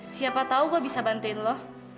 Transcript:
siapa tahu gue bisa bantuin lo